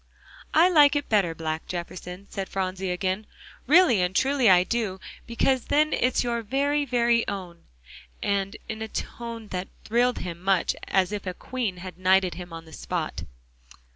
"I like it better black, Jefferson," said Phronsie again, "really and truly I do, because then it's your very, very own," in a tone that thrilled him much as if a queen had knighted him on the spot.